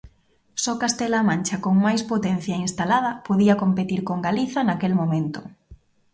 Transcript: Só Castela-A Mancha, con máis potencia instalada, podía competir con Galiza naquel momento.